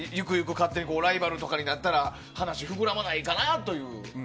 勝手にライバルになったら話が膨らまないかなっていう。